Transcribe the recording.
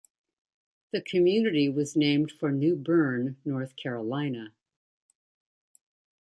The community was named for New Bern, North Carolina.